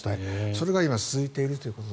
それが今、続いているということ。